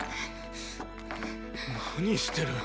何してる？